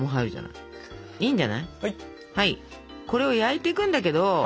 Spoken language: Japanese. これを焼いていくんだけど。